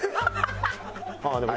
ああでも。